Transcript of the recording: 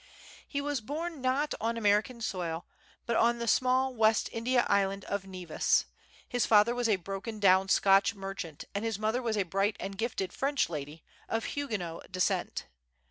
He was not born on American soil, but on the small West India Island of Nevis. His father was a broken down Scotch merchant, and his mother was a bright and gifted French lady, of Huguenot descent.